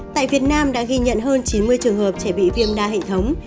tại việt nam đã ghi nhận hơn chín mươi trường hợp trẻ bị viêm đa hệ thống